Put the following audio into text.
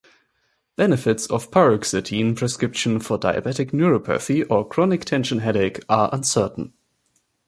Benefits of paroxetine prescription for diabetic neuropathy or chronic tension headache are uncertain.